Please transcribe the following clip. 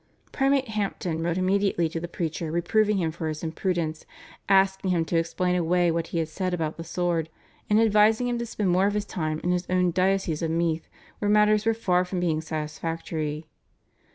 Primate Hampton wrote immediately to the preacher, reproving him for his imprudence, asking him to explain away what he had said about the sword, and advising him to spend more of his time in his own diocese of Meath, where matters were far from being satisfactory.